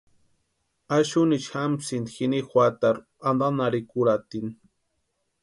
Axunicha jamsïnti jini juatarhu antanharhikurhatini.